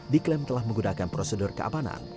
diklaim telah menggunakan prosedur keamanan